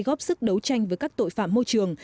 góp sức đấu tranh với các tội phạm môi trường